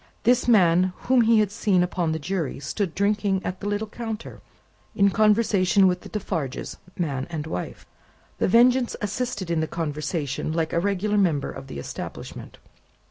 This man, whom he had seen upon the Jury, stood drinking at the little counter, in conversation with the Defarges, man and wife. The Vengeance assisted in the conversation, like a regular member of the establishment.